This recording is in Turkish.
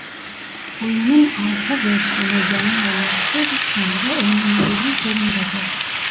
Oyunun alpha versiyonu yayınlanmıştır ve şu anda oynanabilir durumdadır.